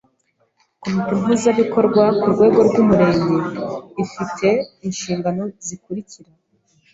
Komite mpuzabikorwa ku rwego rw’Umurenge, ifi te inshingano zikurikira: